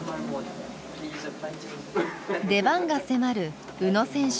出番が迫る宇野選手。